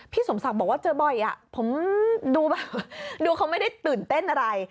สมศักดิ์บอกว่าเจอบ่อยผมดูแบบดูเขาไม่ได้ตื่นเต้นอะไร